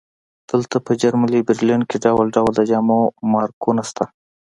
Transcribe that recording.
دلته په جرمني برلین کې ډول ډول د جامو مارکونه شته